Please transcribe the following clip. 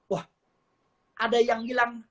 wah ada yang bilang